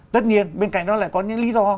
tất nhiên bên cạnh đó lại có những lý do